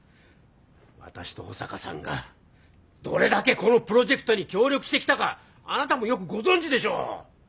私と保坂さんがどれだけこのプロジェクトに協力してきたかあなたもよくご存じでしょう！